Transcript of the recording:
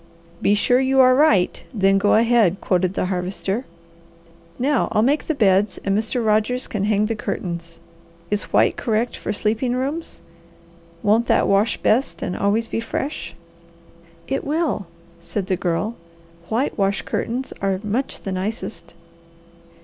"'Be sure you are right, then go ahead,'" quoted the Harvester. "Now I'll make the beds and Mr. Rogers can hang the curtains. Is white correct for sleeping rooms? Won't that wash best and always be fresh?" "It will," said the Girl. "White wash curtains are much the nicest."